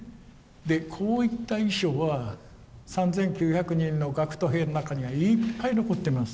でこういった遺書は３，９００人の学徒兵の中にはいっぱい残ってます。